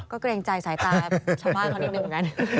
ก็เกรงใจสายตาชาวบ้านเขานิดนึงเหมือนกัน